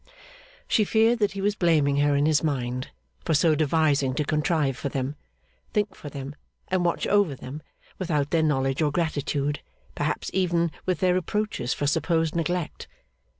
She feared that he was blaming her in his mind for so devising to contrive for them, think for them, and watch over them, without their knowledge or gratitude; perhaps even with their reproaches for supposed neglect.